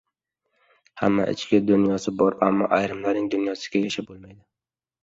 — Hammaning ichki dunyosi bor, ammo ayrimlarning dunyosida yashab bo‘lmaydi.